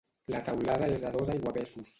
La teulada és a dos aiguavessos.